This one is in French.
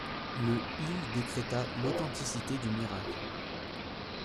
Le il décréta l'authenticité du miracle.